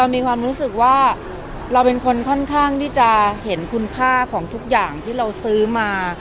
มีความรู้สึกว่าเราเป็นคนค่อนข้างที่จะเห็นคุณค่าของทุกอย่างที่เราซื้อมา